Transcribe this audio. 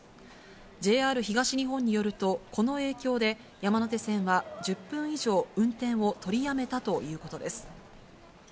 ＪＲ東日本によると、この影響で山手線は１０分以上、運転を取りやめたということです。